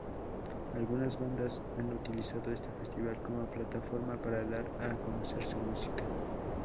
Algunas bandas han utilizado este festival como plataforma para dar a conocer su música.